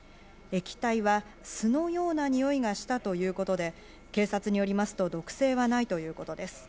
液体は酢のような臭いがしたということで、警察によりますと毒性はないということです。